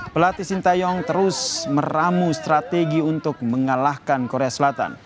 pelatih sintayong terus meramu strategi untuk mengalahkan korea selatan